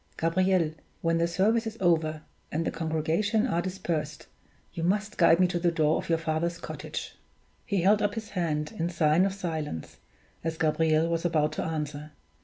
Gabriel, when the service is over, and the congregation are dispersed, you must guide me to the door of your father's cottage." He held up his hand, in sign of silence, as Gabriel was about to answer.